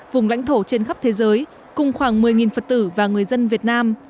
vùng lãnh thổ trên khắp thế giới cùng khoảng một mươi phật tử và người dân việt nam